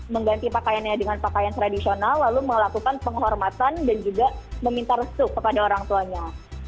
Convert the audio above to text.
mengganti pakaiannya dengan pakaian tradisional lalu melakukan penghormatan dan juga meminta restu kepada orang tuanya